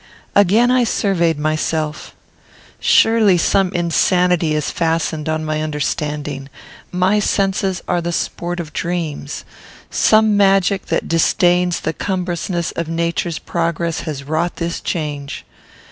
Again I surveyed myself. "Surely some insanity has fastened on my understanding. My senses are the sport of dreams. Some magic that disdains the cumbrousness of nature's progress has wrought this change."